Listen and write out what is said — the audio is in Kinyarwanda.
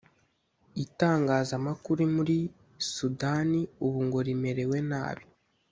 Itangazamakuru muri Sudani ubu ngo rimerewe nabi